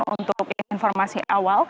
untuk informasi awal